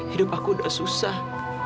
hidup aku udah susah